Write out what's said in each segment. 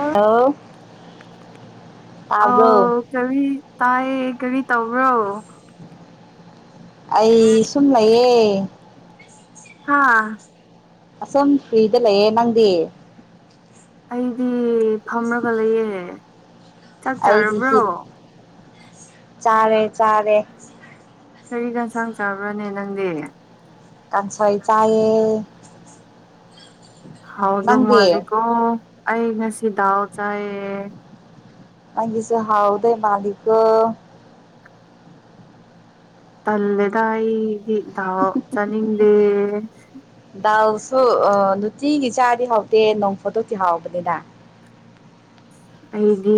ꯑꯣ ꯑꯥꯎ ꯑꯕꯣ ꯇꯥꯏ ꯀꯔꯤ ꯇꯧꯕ꯭ꯔꯣ ꯑꯩ ꯁꯨꯝꯂꯌꯦꯦ ꯎ ꯍꯥꯥ ꯑꯁꯝ ꯐꯔꯤꯗ ꯂꯩꯌꯦꯦ ꯅꯪꯗꯤ ꯑꯩꯗꯤ ꯐꯝꯔꯒ ꯂꯩꯌꯦ ꯆꯠ ꯑꯩꯗꯤ ꯆꯔꯕ꯭ꯔꯣ ꯍꯤꯞ ꯆꯥꯔꯦ ꯆꯥꯔꯦ ꯀꯔꯤꯒꯟꯁꯥꯡ ꯆꯥꯕ꯭ꯔꯅꯦ ꯅꯪꯗꯤ ꯀꯥꯟꯁꯋꯥꯏ ꯆꯌꯦ ꯍꯥꯎꯗ ꯃꯥꯂꯤꯀꯣ ꯑꯩ ꯉꯁꯤꯗꯥꯑꯣ ꯆꯦ ꯃꯪꯒꯤꯁꯨ ꯍꯥꯎꯗꯦ ꯃꯥꯂꯤꯛ ꯇꯜꯂꯦꯗꯥ ꯑꯩꯗꯤ ꯇꯥꯎ ꯆꯥꯅꯤꯡꯗꯦ ꯂꯥꯜꯁꯨ ꯅꯨꯡꯇꯤꯒꯤ ꯆꯥꯗꯤ ꯍꯥꯎꯇꯦ ꯅꯣꯡ ꯐꯣꯠꯇꯣꯛꯇꯤ ꯍꯥꯎꯕꯅꯤꯅ ꯑꯩꯗꯤ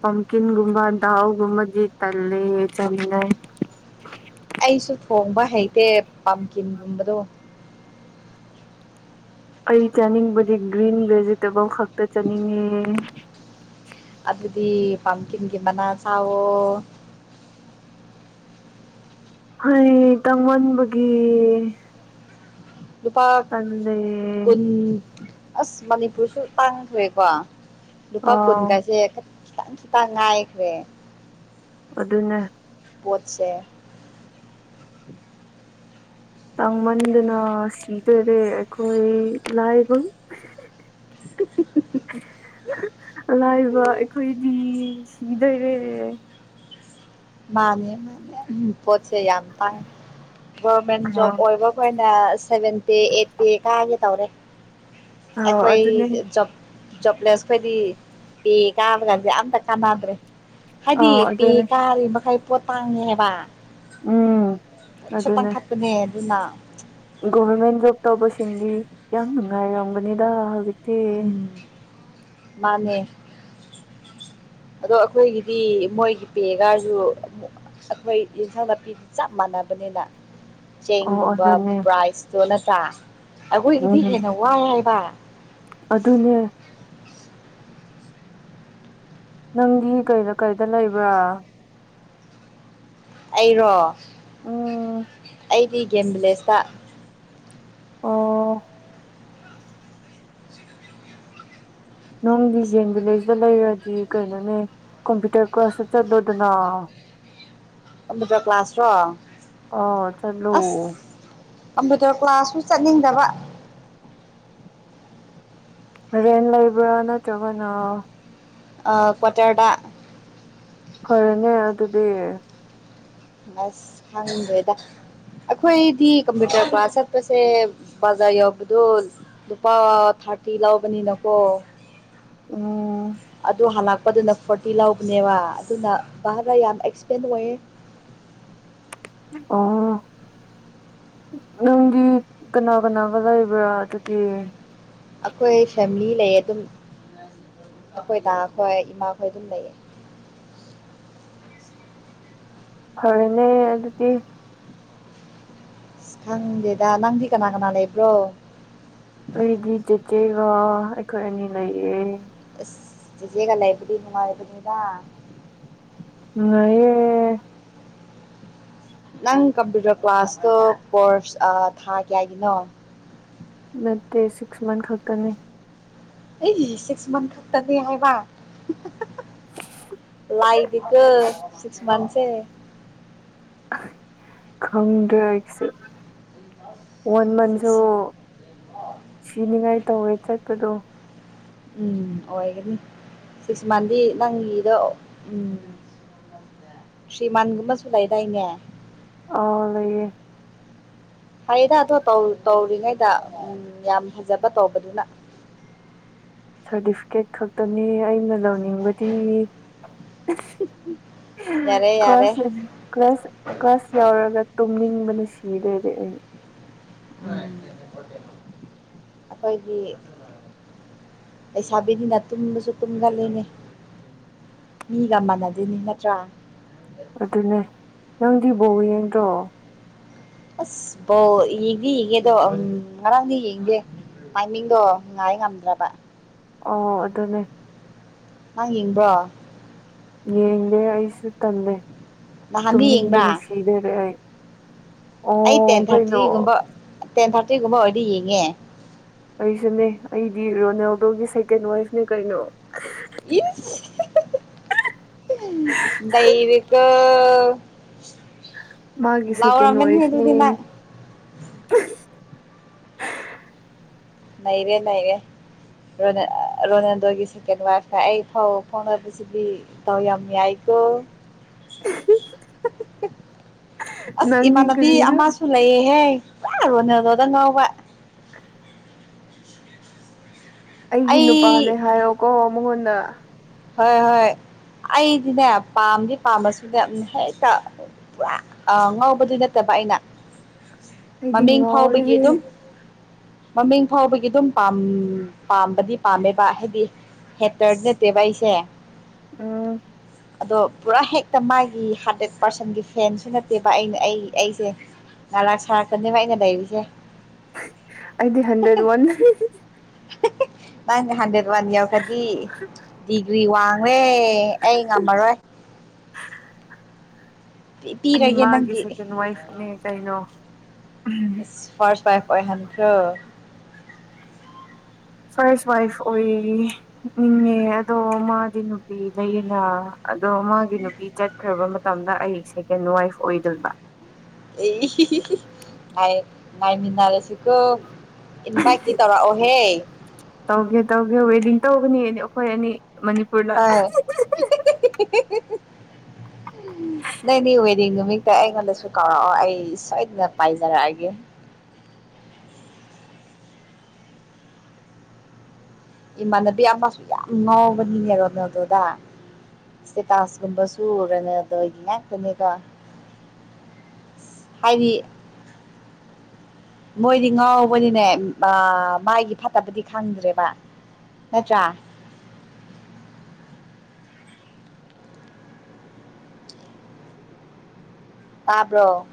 ꯄꯝꯀꯤꯟꯒꯨꯝꯕ ꯗꯥꯎꯒꯨꯝꯕꯗꯤ ꯇꯜꯂꯦ ꯆꯪꯅꯩ ꯑꯩꯁꯨ ꯊꯣꯡꯕ ꯍꯩꯇꯦ ꯄꯝꯀꯤꯟꯒꯨꯝꯕꯗꯣ ꯑꯩ ꯆꯥꯅꯤꯡꯕꯗꯤ ꯒ꯭ꯔꯤꯟ ꯚꯦꯖꯤꯇꯦꯕꯜ ꯈꯛꯇ ꯆꯥꯅꯤꯡꯉꯦ ꯑꯗꯨꯗꯤ ꯄꯝꯀꯤꯟꯒꯤ ꯃꯅꯥ ꯁꯥꯋꯣ ꯍꯣꯏ ꯇꯃꯟꯕꯒꯤ ꯂꯨꯄꯥ ꯀꯟ ꯑꯁ ꯃꯅꯤꯄꯨꯔꯁꯨ ꯇꯥꯡꯅ ꯊꯣꯛꯑꯦꯀꯣ ꯂꯨꯄꯥ ꯑꯥꯎ ꯀꯨꯟꯒꯥꯁꯦ ꯆꯪ ꯇꯉꯥꯏꯈ ꯔꯦ ꯑꯗꯨꯅꯦ ꯄꯣꯠꯁꯦ ꯇꯥꯡꯃꯟꯗꯅ ꯁꯤꯗꯣꯏꯔꯦ ꯑꯩꯈꯣꯏ ꯂꯥꯏꯕ ꯂꯥꯏꯕ ꯑꯩꯈꯣꯏꯗꯤ ꯁꯤꯗꯣꯏꯔꯦ ꯃꯥꯅꯦ ꯃꯥꯅꯦꯝ ꯄꯣꯠꯁꯦ ꯌꯥꯝ ꯐꯥꯏ ꯒꯣꯔꯃꯦꯟ ꯑꯥ ꯖꯣꯕ ꯑꯣꯏꯕꯈꯅ ꯁꯦꯚꯦꯟꯇꯦ ꯑꯩꯠꯇꯦ ꯀꯥꯒꯦ ꯇꯧꯔꯦ ꯑꯥꯎ ꯑꯩꯈꯣꯏ ꯑꯗꯨꯅꯦ ꯑꯩꯞ ꯆꯣꯄ꯭ꯂꯦꯠꯁ ꯈꯣꯏꯗꯤ ꯄꯤ ꯀꯥꯕ ꯀꯥꯟꯁꯦ ꯑꯝꯇ ꯀꯥꯟꯅꯗ꯭ꯔꯦ ꯍꯥꯏꯗꯤ ꯑꯥꯎ ꯄꯦ ꯑꯗꯨꯅꯦ ꯀꯥ ꯑꯩꯥꯏ ꯄꯣ ꯇꯥꯡꯉꯦꯕ ꯎꯝ ꯁꯄꯥꯡ ꯑꯗꯨꯅꯦ ꯊꯛꯅꯦ ꯅꯥ ꯒꯣꯚꯔꯃꯦꯟ ꯖꯣꯕ ꯇꯧꯕꯁꯤꯡꯗꯤ ꯌꯥꯝ ꯅꯨꯡꯉꯥꯏꯔꯝꯒꯅꯤꯗ ꯍꯧꯖꯤꯛꯇꯤ ꯑꯝ ꯃꯥꯅꯦ ꯑꯗꯣ ꯑꯩꯈꯣꯏꯒꯤꯗꯤ ꯃꯣꯏꯒꯤ ꯄꯦꯒꯥꯁꯨ ꯑꯩꯈꯣꯏ ꯌꯦꯟꯁꯥꯡ ꯅꯥꯄꯤꯗꯤ ꯆꯞ ꯃꯥꯟꯅꯕꯅꯤꯅ ꯑꯣ ꯆꯦꯡꯒꯨꯝꯕ ꯑꯗꯨꯅꯦ ꯄ꯭ꯔꯥꯏꯁꯇꯣ ꯅ ꯆ ꯑꯩꯈꯣꯏꯒꯤꯗꯤ ꯎꯝ ꯍꯦꯟꯅ ꯋꯥꯏꯦ ꯍꯥꯏꯕ ꯑꯗꯨꯅꯦ ꯅꯪꯗꯤ ꯀꯩꯗ ꯀꯩꯗ ꯂꯩꯕ꯭ꯔꯥ ꯑꯩꯔꯣ ꯎꯝ ꯑꯩꯗꯤꯒ ꯭ꯂꯦꯁ ꯑꯣ ꯅꯅꯨꯡꯒꯤ ꯌꯦꯟ ꯚꯤꯂꯦꯖꯇ ꯂꯩꯔꯗꯤ ꯀꯩꯅꯣꯅꯦ ꯀꯝꯄ꯭ꯌꯨꯇꯔ ꯀ꯭ꯂꯥꯁꯁꯨ ꯆꯠꯂꯣꯗꯅ ꯀꯝꯇꯔ ꯀ꯭ꯂꯥꯁ ꯔꯣ ꯑꯥ ꯆꯠꯂꯨ ꯑꯁ ꯀꯝꯄꯇꯔ ꯀ꯭ꯂꯥꯁ ꯆꯠꯅꯤꯡꯗꯕ ꯔꯦꯟ ꯂꯩꯕ꯭ꯔꯥ ꯅꯠꯇ꯭ꯔꯒꯅ ꯀꯇꯥꯔꯗꯥꯥ ꯐꯔꯦꯅꯦ ꯑꯗꯨꯗꯤ ꯑꯁ ꯈꯪꯅꯤꯡꯗꯦꯗ ꯑꯩꯈꯣꯏꯗꯤ ꯀꯝꯄ꯭ꯌꯨꯇꯔ ꯀ꯭ꯂꯥꯁ ꯆꯠꯄꯁꯦ ꯕꯖꯥꯔ ꯌꯧꯕꯗꯣ ꯂꯨꯄꯥ ꯊꯥꯔꯇꯤ ꯂꯧꯕꯅꯤꯅꯀꯣ ꯎꯝ ꯑꯗꯨ ꯍꯜꯂꯛꯄꯗꯨꯅ ꯐꯣꯔꯇꯤ ꯂꯧꯕꯅꯦꯕ ꯑꯗꯨꯅ ꯚꯔ ꯌꯥꯝ ꯑꯦꯛꯁꯄꯦꯟ ꯑꯣꯏꯌꯦ ꯑꯣ ꯅꯪꯒꯤ ꯀꯅꯥ ꯀꯅꯥ ꯀꯗꯥꯏꯕꯌꯥꯗ ꯀ ꯑꯩꯈꯣꯏ ꯐꯦꯃꯤꯂꯤ ꯂꯩꯌꯦ ꯑꯗꯨꯝ ꯑꯩꯈꯣꯏ ꯇꯥꯛꯈꯣꯏ ꯏꯃꯥꯈꯣꯏ ꯑꯗꯨꯝ ꯂꯩꯌꯦ ꯐꯅꯦ ꯑꯗꯨꯗꯤ ꯈꯪꯗꯦꯗ ꯅꯪꯕꯤ ꯀꯅꯥ ꯀꯅꯥ ꯂꯩꯕ꯭ꯔꯣ ꯑꯣ ꯑꯩꯈꯣꯏ ꯑꯅꯤ ꯂꯩꯌꯦ ꯖꯦꯒꯂ ꯑꯦꯕꯗꯤ ꯏꯃ ꯑꯦꯕꯅꯤꯗ ꯑꯑꯌꯦ ꯅꯪ ꯀꯝꯄ꯭ꯌꯨꯇꯔ ꯀ꯭ꯂꯥꯁꯇꯣ ꯀꯣꯔꯁ ꯊꯥ ꯀꯌꯥꯒꯤꯅꯣ ꯅꯠꯇ ꯁꯤꯛꯁ ꯃꯟꯊ ꯈꯛꯇꯔꯅꯤ ꯑꯩ ꯁꯤꯛꯁ ꯃꯟ ꯈꯛꯇꯅꯤ ꯍꯥꯏꯕ ꯂꯥꯏꯗꯤꯒ ꯁꯤꯛꯁ ꯃꯟꯁꯦ ꯈꯣꯡꯗꯔꯁꯤ ꯋꯥꯟ ꯃꯟꯊꯁꯨ ꯁꯤꯛꯁ ꯁꯤꯤꯃꯤꯥꯏ ꯇꯧꯋꯦ ꯆꯠꯄꯗꯣ ꯎꯝ ꯑꯣꯏꯒꯅꯤ ꯁꯤꯛꯁ ꯃꯟꯗꯤ ꯅꯪꯒꯤꯗ ꯎꯝ ꯊ꯭ꯔꯤ ꯃꯟꯒꯨꯝꯕꯁꯨ ꯂꯩꯗꯥꯏꯅꯦ ꯑ ꯂꯩꯌꯦ ꯍꯌꯦꯗ ꯑꯗꯣ ꯇꯧꯔꯤꯉꯩꯗ ꯎ ꯌꯥꯝ ꯐꯖꯕ ꯇꯧꯕꯗꯨꯅ ꯁꯥꯔꯇꯤꯐꯤꯀꯦꯠ ꯈꯛꯇꯅꯤ ꯑꯩꯅ ꯂꯧꯅꯤ ꯌꯥꯔꯦ ꯌꯥꯔꯦ ꯀ꯭ꯂ ꯅ ꯁꯤꯤꯗꯔ ꯎꯝ ꯑꯩꯈꯣꯏꯒꯤ ꯂꯩꯁꯥꯕꯤꯅꯤꯅ ꯇꯨꯝꯕꯁꯨ ꯇꯨꯝꯒꯜꯂꯤꯅꯤ ꯃꯤꯒ ꯃꯥꯟꯅꯗꯣꯏꯅꯤ ꯅꯠꯇ꯭ꯔꯥ ꯑꯗꯨꯅꯦ ꯅꯪꯗꯤ ꯕꯣ ꯌꯦꯡꯗ꯭ꯔꯣ ꯑꯁ ꯕꯧ ꯌꯦꯡꯗꯤ ꯌꯦꯡꯒꯦꯗꯣ ꯉꯔꯥꯡꯗꯤ ꯌꯦꯡꯗꯦ ꯃꯥꯏꯃꯤꯡꯗꯣ ꯉꯥꯏ ꯉꯝꯗ꯭ꯔꯕ ꯑꯣ ꯑꯗꯨꯗꯅꯦꯃꯦ ꯍꯉꯕ꯭ꯔꯣ ꯌꯦꯡꯒꯦ ꯑꯩꯁꯨ ꯇꯜꯂꯦ ꯅꯍꯥꯟꯗꯤ ꯇꯨꯝꯅꯤꯡ ꯕꯅꯥ ꯌꯦꯡꯕ꯭ꯔꯥ ꯀꯔ꯭ꯦ ꯑꯩ ꯑꯩ ꯇꯦꯟ ꯑꯣ ꯀꯩꯅꯣ ꯊꯥꯔꯇꯤꯒꯨꯝꯕ ꯇꯦꯟ ꯊꯥꯔꯇꯤꯒꯨꯝꯕ ꯑꯣꯏꯔꯗꯤ ꯌꯦꯡꯉꯦ ꯑꯩꯁꯨꯅꯦ ꯑꯩꯗꯤ ꯔꯣꯅꯦꯜꯗꯣꯒꯤ ꯁꯦꯀꯦꯟ ꯋꯥꯏꯐꯅꯦ ꯀꯩꯅꯣ ꯏ ꯅꯩꯔ ꯀꯣ ꯃꯥꯒꯤ ꯍ ꯁꯦꯀꯦꯟ ꯎꯔꯃꯦꯅ ꯍꯗꯨꯗꯤꯅ ꯋꯥꯏꯐꯅꯦ ꯂꯩꯔꯦ ꯂꯩꯔꯦ ꯔꯣꯅꯥꯜꯗꯣꯒꯤ ꯁꯦꯀꯦꯟ ꯋꯥꯏꯐꯀ ꯑꯩ ꯐꯥꯎꯁꯤꯗꯤ ꯇꯧ ꯌꯥꯝ ꯌꯥꯏꯀꯣ ꯑꯁ ꯅꯪꯗꯤ ꯏꯃꯥꯟꯅꯕꯤ ꯀꯔꯤꯅꯣ ꯑꯃꯁꯨ ꯂꯩꯌꯦꯍꯦ ꯑ ꯔꯣꯟꯂꯗꯣꯗ ꯉꯧꯕꯥ ꯑꯩꯒꯤ ꯑꯩ ꯅꯨꯄꯥꯅꯦ ꯍꯥꯏꯌꯣꯀꯣ ꯃꯍꯟꯅ ꯍꯣꯏ ꯍꯣꯏ ꯑꯩꯗꯤꯅꯦ ꯄꯥꯝꯗꯤ ꯄꯥꯝꯃꯁꯨꯅꯦ ꯍꯦꯛꯇ ꯄꯨꯔꯥ ꯉꯧꯕꯗꯨ ꯅꯠꯇꯕ ꯑꯩꯅ ꯑꯩꯗꯤ ꯃꯃꯤꯡ ꯐꯥꯎꯕꯒꯤ ꯉꯥꯎꯔꯦꯍꯦ ꯑꯗꯨꯝ ꯃꯃꯤꯡ ꯐꯥꯎꯕꯒꯤ ꯑꯗꯨꯝ ꯄꯥꯝꯕꯗꯤ ꯄꯥꯝꯃꯦꯕ ꯍꯥꯏꯗꯤ ꯍꯦꯇꯔꯗꯤ ꯅꯠꯇꯦꯕ ꯑꯩꯁꯦ ꯆꯦ ꯎꯝ ꯑꯗꯣ ꯄꯨꯔꯥ ꯍꯦꯛꯇ ꯃꯥꯒꯤ ꯍꯔꯗ꯭ꯔꯦꯠ ꯄꯥꯔꯁꯟꯒꯤ ꯐꯦꯟꯁꯨ ꯅꯠꯇꯦꯕ ꯑꯩꯅ ꯑꯩ ꯑꯩꯁꯦ ꯉꯂꯥꯛ ꯁꯥꯔꯛꯇꯥꯅꯦꯕ ꯑꯩꯅ ꯂꯩꯔꯤꯁꯦ ꯑꯩꯗꯤ ꯍꯟꯗ꯭ꯔꯦꯠ ꯋꯥꯟ ꯃꯥꯅꯦ ꯍꯟꯗꯔ꯭ꯦꯠ ꯋꯥꯟ ꯌꯥꯎ ꯈꯗꯤ ꯗꯤꯒ꯭ꯔꯤ ꯋꯥꯡꯂꯦ ꯑꯩ ꯉꯝꯃꯔꯣꯏ ꯄꯤ ꯑꯩ ꯄꯤꯔꯒꯦ ꯃꯥꯒꯤ ꯅꯪꯒꯤ ꯁꯦꯀꯦꯟ ꯋꯥꯏꯐꯅꯦ ꯀꯩꯅꯣ ꯎꯝ ꯐꯥꯔꯁ ꯋꯥꯏꯐ ꯑꯣꯏꯍꯟꯈꯔꯣ ꯐꯔꯁ ꯋꯥꯏꯐ ꯑꯣꯏꯌꯦ ꯅꯤꯡꯉꯦ ꯑꯗꯣ ꯃꯥꯗꯤ ꯅꯨꯄꯤ ꯂꯩꯌꯦꯅ ꯑꯗꯣ ꯃꯥꯒꯤ ꯅꯨꯄꯤ ꯆꯠꯈ꯭ꯔꯕ ꯝꯠ ꯃꯇꯝꯗ ꯑꯩ ꯁꯦꯀꯦꯟ ꯋꯥꯏꯐ ꯑꯣꯏꯗꯣꯏꯕ ꯑꯦ ꯍꯤ ꯍꯤ ꯍꯤ ꯍꯥꯏ ꯉꯥꯏꯃꯤꯟꯅꯔꯁꯤꯀꯣ ꯏꯟꯚꯥꯏꯠꯇꯤ ꯇꯧꯔꯛꯑꯣꯍꯦ ꯇꯧꯒꯦ ꯇꯧꯒꯦ ꯋꯦꯗꯤꯡ ꯇꯧꯒꯅꯤ ꯑꯩꯅ ꯑꯈꯣꯏ ꯑꯅꯤ ꯃꯅꯤꯄꯨꯔꯗ ꯍꯥꯏ ꯅꯡ ꯃꯤ ꯑꯣꯏꯔꯗꯤ ꯅꯨꯃꯤꯠꯇ ꯑꯩꯉꯣꯟꯗꯁꯨ ꯀꯧꯔꯛꯑꯣ ꯑꯩ ꯁꯣꯏꯗꯅ ꯄꯥꯏꯖꯔꯛꯑꯒꯦ ꯏꯃꯥꯟꯅꯕꯤ ꯑꯃꯁꯨ ꯌꯥꯝ ꯉꯥꯎꯕꯅꯤꯅꯦ ꯔꯣꯅꯦꯜꯗꯣꯗ ꯏꯁꯇꯦꯇꯥꯁꯀꯨꯝꯕꯁꯨ ꯔꯣꯅꯦꯜꯗꯣꯒꯤ ꯉꯥꯛꯇꯅꯦꯀꯣ ꯍꯥꯏꯗꯤ ꯃꯣꯏꯗꯤ ꯉꯥꯎꯕꯅꯤꯅꯦ ꯃꯒꯤ ꯐꯠꯇꯕꯗꯤ ꯈꯪꯗ꯭ꯔꯦꯕ ꯅꯠꯇ꯭ꯔꯥ ꯇꯥꯕ꯭ꯔꯣ